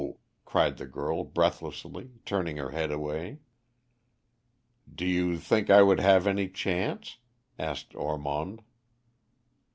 cried the girl breathlessly, turning her head away. "Do you think I would have any chance?" asked Ormond.